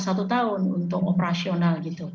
satu tahun untuk operasional